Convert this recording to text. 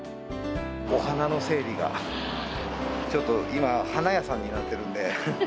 お花の整理が、ちょっと今、花屋さんになってるんで。